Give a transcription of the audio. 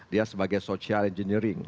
dia sebagai social engineering